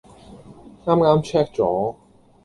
啱啱 check 咗